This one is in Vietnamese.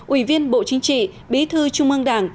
ủy viên bộ chính trị bí thư trung ương đảng